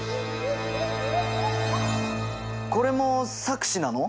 これも錯視なの？